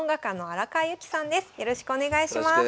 よろしくお願いします。